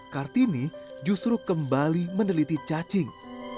kartini justru kembali meneliti cacing